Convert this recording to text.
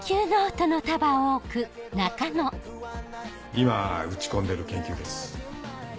今打ち込んでる研究です。